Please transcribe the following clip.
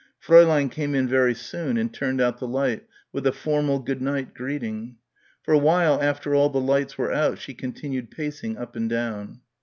Fräulein came in very soon and turned out the light with a formal good night greeting. For a while after all the lights were out, she continued pacing up and down.